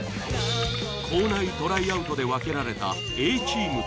校内トライアウトで分けられた。